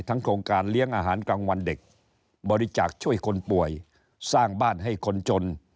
โครงการเลี้ยงอาหารกลางวันเด็กบริจาคช่วยคนป่วยสร้างบ้านให้คนจน